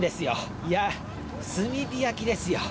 いやー、炭火焼きですよ。